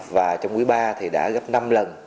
và trong quý ba thì đã gấp năm lần